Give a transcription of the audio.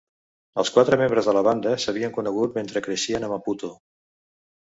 Els quatre membres de la banda s'havien conegut mentre creixien a Maputo.